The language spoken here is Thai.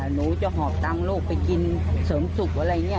หนูจะหอบตังค์ลูกไปกินเสริมสุขอะไรอย่างนี้